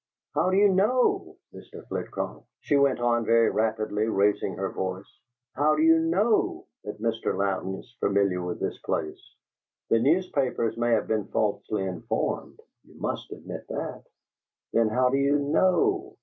"How do you KNOW, Mr. Flitcroft," she went on very rapidly, raising her voice, "how do you KNOW that Mr. Louden is familiar with this place? The newspapers may have been falsely informed; you must admit that? Then how do you KNOW?